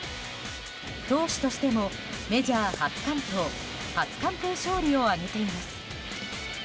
投手としてもメジャー初完投・初完封勝利を挙げています。